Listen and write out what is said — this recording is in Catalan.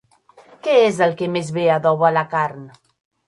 Què és el que més bé adoba la carn?